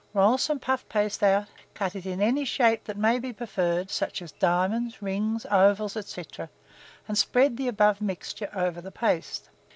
Roll some puff paste out; cut it in any shape that may be preferred, such as diamonds, rings, ovals, &c., and spread the above mixture over the paste.